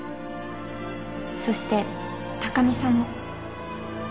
そして高見さんも。